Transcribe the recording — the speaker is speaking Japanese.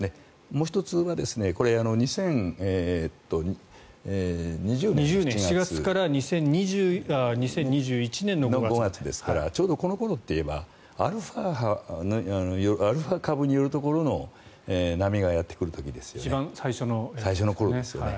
もう１つが２０２０年７月から２０２１年の５月ですからちょうどこの頃といえばアルファ株によるところの波がやってくる時ですよね。